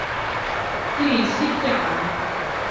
Please sit down.